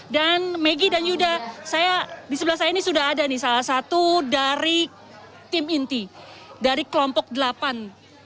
dan maggie dan yudha saya di sebelah saya ini sudah ada nih salah satu dari tim inti dari kelompok delapan